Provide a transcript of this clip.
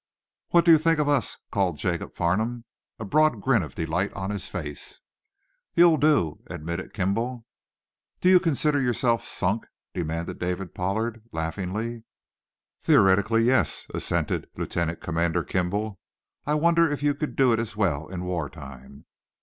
"What do you think of us?" called Jacob Farnum, a broad grin of delight on his face. "You'll do," admitted Kimball. "Do you consider yourself sunk?" demanded David Pollard, laughingly. "Theoretically, yes," assented Lieutenant Commander Kimball. "I wonder if you could do it as well in war time?"